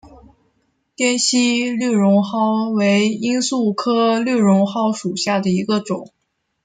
滇西绿绒蒿为罂粟科绿绒蒿属下的一个种。